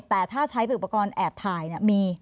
แต่ถ้าใช้เป็นอุปกรณ์แอบถ่ายมี